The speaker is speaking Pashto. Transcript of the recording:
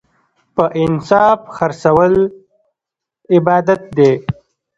په انصاف خرڅول عبادت دی.